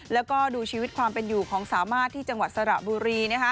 แล้วก็ดูชีวิตความเป็นอยู่ของสามารถที่จังหวัดสระบุรี